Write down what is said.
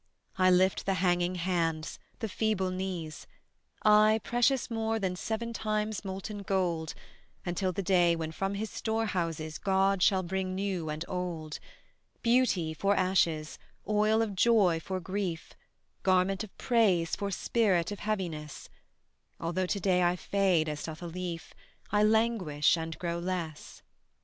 I lift the hanging hands, the feeble knees I, precious more than seven times molten gold Until the day when from His storehouses God shall bring new and old; Beauty for ashes, oil of joy for grief, Garment of praise for spirit of heaviness: Although to day I fade as doth a leaf, I languish and grow less.